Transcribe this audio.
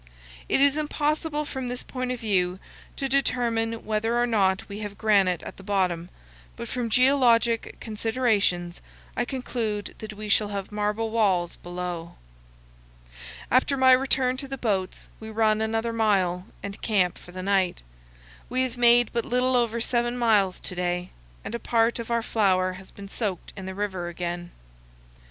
It is impossible from this point of view to determine whether or not we have granite at the bottom; but from geologic considerations, I conclude that we shall have marble walls below. After my return to the boats we run another mile and camp for the night. We have made but little over seven miles to day, and a part of our flour has been soaked in the river again.